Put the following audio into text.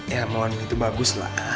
ya mohon itu bagus lah